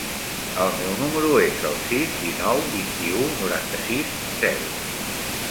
El meu número es el sis, dinou, vint-i-u, noranta-sis, zero.